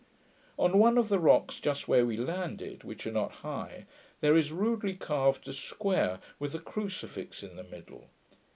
On one of the rocks just where we landed, which are not high, there is rudely carved a square, with a crucifix in the middle.